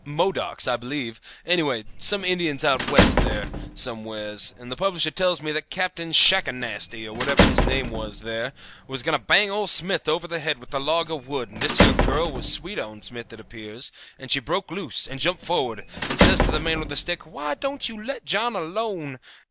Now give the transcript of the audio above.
Modocs, I believe; anyway, some Indians out West there, somewheres; and the publisher tells me that Captain Shackanasty, or whatever his name is, there, was going to bang old Smith over the head with a log of wood, and this here girl she was sweet on Smith, it appears, and she broke loose, and jumped forward, and says to the man with a stick, 'Why don't you let John alone?